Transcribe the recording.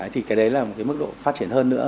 thì cái đấy là một cái mức độ phát triển hơn nữa